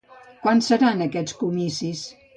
Quan seran aquests comicis?